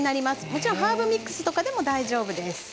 もちろんハーブミックスとかでも大丈夫です。